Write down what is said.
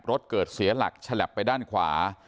รถเกิดเสียหลักฉลับไปด้านขวา